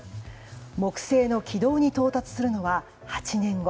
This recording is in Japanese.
木星の軌道に到達するのは８年後。